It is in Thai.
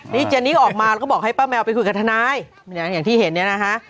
นี่เจนี่ออกมาแล้วก็บอกให้ป้าแมวไปคุยกับทนายอย่างที่เห็นเนี่ยนะคะ